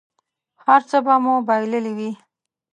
هر څه به مو بایللي وي.